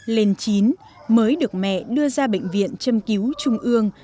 lên chín mới được mẹ đưa ra bệnh viện châm cứu trung ương